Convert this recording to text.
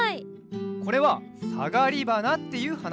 これはサガリバナっていうはな。